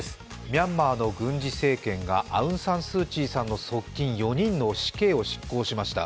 ミャンマーの軍事政権がアウン・サン・スー・チーさんの側近４人の死刑を執行しました。